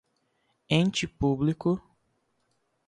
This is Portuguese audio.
ente público